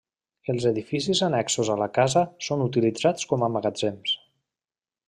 Els edificis annexos a la casa són utilitzats com a magatzems.